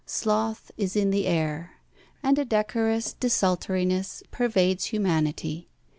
Sloth is in the air, and a decorous desultoriness pervades humanity.